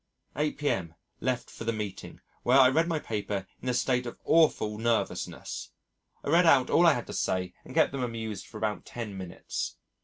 8 p.m., left for the meeting, where I read my paper in a state of awful nervousness.... I read out all I had to say and kept them amused for about ten minutes.